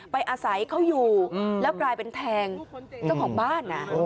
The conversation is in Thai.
ไปอาศัยเขาอยู่แล้วกลายเป็นแทงเจ้าของบ้าน